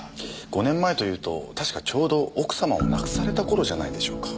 ５年前というと確かちょうど奥様を亡くされた頃じゃないでしょうか。